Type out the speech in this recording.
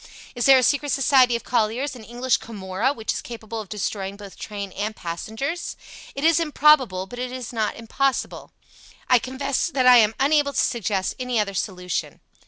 Is there a secret society of colliers, an English Camorra, which is capable of destroying both train and passengers? It is improbable, but it is not impossible. I confess that I am unable to suggest any other solution.